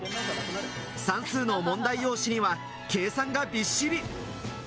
算数の問題用紙には計算がびっしり。